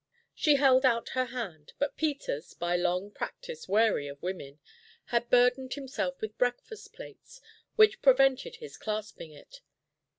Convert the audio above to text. She held out her hand, but Peters, by long practise wary of women, had burdened himself with breakfast plates which prevented his clasping it.